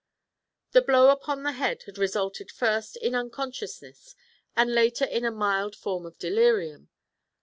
The blow upon the head had resulted first in unconsciousness, and later in a mild form of delirium.